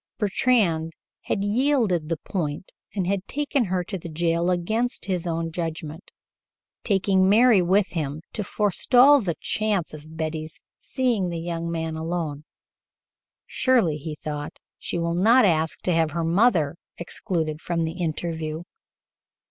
Bertrand had yielded the point and had taken her to the jail against his own judgment, taking Mary with him to forestall the chance of Betty's seeing the young man alone. "Surely," he thought, "she will not ask to have her mother excluded from the interview."